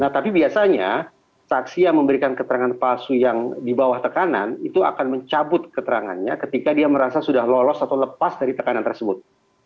nah tapi biasanya saksi yang memberikan keterangan palsu yang di bawah tekanan itu akan mencabut keterangannya ketika dia merasa sudah lolos atau lepas dari tekanan tersebut